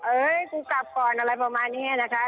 กูกลับก่อนอะไรประมาณนี้นะคะ